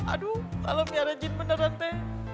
aduh kalau miara jin beneran te